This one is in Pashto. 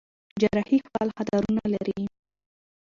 جراحي خپل خطرونه لري.